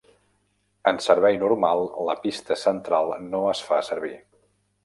En servei normal la pista central no es fa servir.